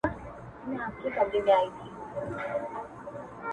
هیله ده دخوښی وړمو وګرځی!٫.